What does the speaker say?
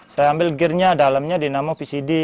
saya ambil gearnya dalamnya dinamo pcd